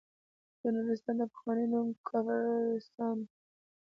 د نورستان پخوانی نوم کافرستان وه.